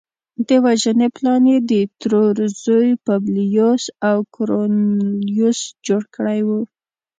د وژنې پلان یې د ترور زوی پبلیوس کورنلیوس جوړ کړی و